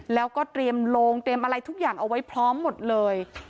แล้วก็เตรียมโลงเตรียมอะไรทุกอย่างเอาไว้พร้อมหมดเลย